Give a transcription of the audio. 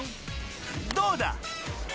［どうだ